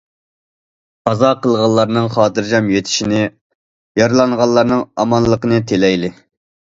قازا قىلغانلارنىڭ خاتىرجەم يېتىشىنى، يارىلانغانلارنىڭ ئامانلىقىنى تىلەيلى!